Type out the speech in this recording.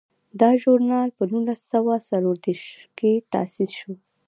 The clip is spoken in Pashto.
دا ژورنال په نولس سوه څلور دیرش کې تاسیس شو.